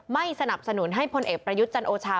ไม่สนับสนุนให้พลเอกประยุทธ์จันโอชา